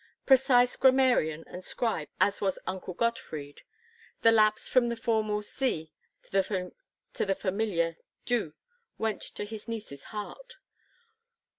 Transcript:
Precise grammarian and scribe as was Uncle Gottfried, the lapse from the formal Sie to the familiar Du went to his niece's heart.